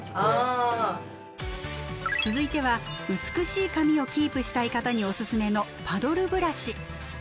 続いては美しい髪をキープしたい方におすすめのパドルブラシ。